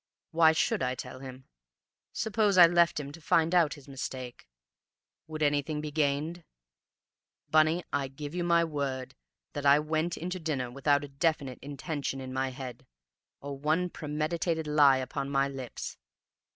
Why should I tell him? Suppose I left him to find out his mistake ... would anything be gained? Bunny, I give you my word that I went in to dinner without a definite intention in my head, or one premeditated lie upon my lips.